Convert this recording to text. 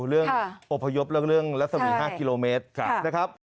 เรื่องอพยพเรื่องรัศมี๕กิโลเมตรนะครับ